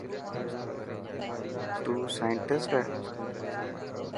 تون سانٽسٽ هي.